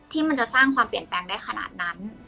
ที่มันจะสร้างความเปลี่ยนแปลงได้ขนาดนั้น